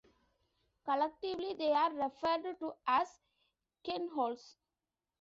Collectively, they are referred to as "Kienholz".